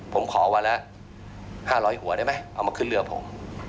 ผมขอวันละ๕๐๐หัวได้ไหมเอามาขึ้นเรือผม